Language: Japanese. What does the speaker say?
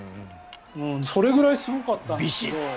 それくらいすごかった。